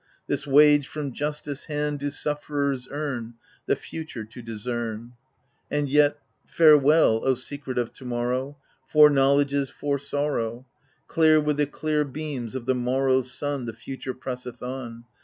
This wage from Justice' hand do sufferers earn, The future to discern : And yet — ^farewell, O secret of To morrow ! Fore knowledge is fore sorrow. Clear with the clear beams of the morrow's sun. The future presseth on.